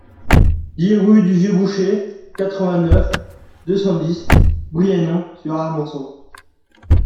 dix rue des Vieux Bouchers, quatre-vingt-neuf, deux cent dix, Brienon-sur-Armançon